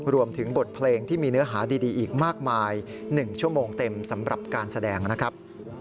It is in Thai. รวมถึงบทเพลงที่มีเนื้อหาดีอีกมากมาย๑ชั่วโมงเต็มสำหรับการแสดงนะครับ